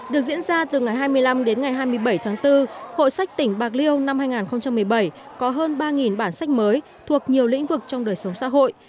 được diễn ra từ ngày hai mươi năm đến ngày hai mươi bảy tháng bốn hội sách tỉnh bạc liêu năm hai nghìn một mươi bảy có hơn ba bản sách mới thuộc nhiều lĩnh vực trong đời sống xã hội